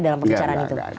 gak ada gak ada